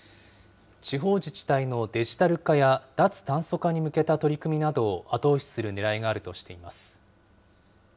地方自治体のデジタル化や脱炭素化に向けた取り組みなどを、後押しするねらいがあるとしています。